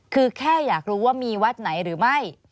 คือแค่อยากรู้ว่ามีวัดไหนหรือไม่